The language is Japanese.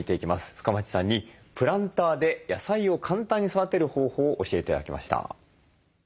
深町さんにプランターで野菜を簡単に育てる方法を教えて頂きました。